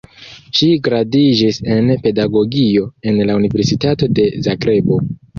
Ŝi gradiĝis en pedagogio en la Universitato de Zagrebo.